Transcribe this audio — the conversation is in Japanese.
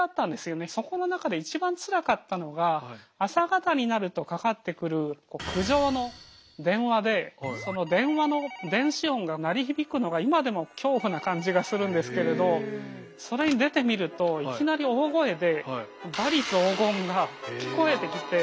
そこの中で一番つらかったのがその電話の電子音が鳴り響くのが今でも恐怖な感じがするんですけれどそれに出てみるといきなり大声で罵詈雑言が聞こえてきて。